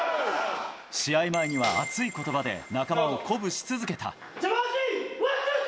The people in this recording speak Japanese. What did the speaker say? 試合前には熱いことばで仲間を鼓舞し続けた。